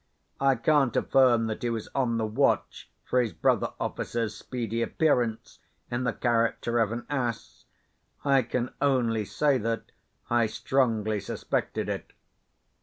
I can't affirm that he was on the watch for his brother officer's speedy appearance in the character of an Ass—I can only say that I strongly suspected it.